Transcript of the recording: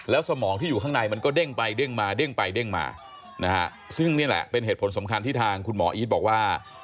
สมองที่อยู่ข้างในมันก็เด้งไปเด้งมาเด้งไปเด้งมานะฮะซึ่งนี่แหละเป็นเหตุผลสำคัญที่ทางคุณหมออีทบอกว่า